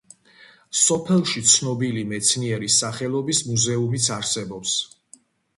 სოფელში ცნობილი მეცნიერის სახელობის მუზეუმიც არსებობს.